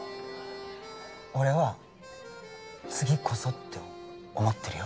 俺は次こそって思ってるよ